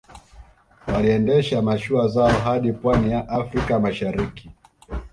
Waliendesha mashua zao hadi Pwani ya Afrika Mashariki